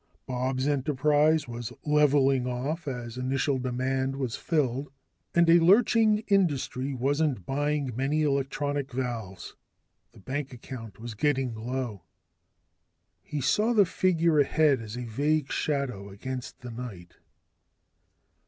Bob's enterprise was levelling off as initial demand was filled, and a lurching industry wasn't buying many electronic valves. The bank account was getting low. He saw the figure ahead as a vague shadow against the night.